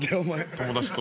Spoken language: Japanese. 友達と。